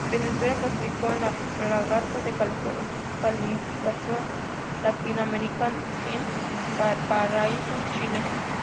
Venezuela clasificó en la Regata de calificación Latino Americana en Valparaíso, Chile.